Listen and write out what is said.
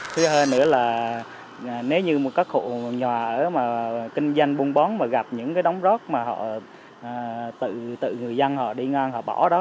thứ hai nữa là nếu như một các hộ nhà ở mà kinh doanh buôn bón mà gặp những cái đóng rác mà họ tự người dân họ đi ngon họ bỏ đó